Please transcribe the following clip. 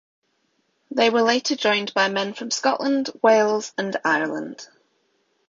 They were later joined by men from Scotland, Wales and Ireland.